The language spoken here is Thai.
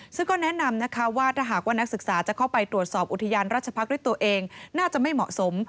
ซึ่งก็แนะนำนะคะว่าถ้าหากว่านักศึกษาจะเข้าไปตรวจสอบอุทยานราชพักษ์ด้วยตัวเองน่าจะไม่เหมาะสม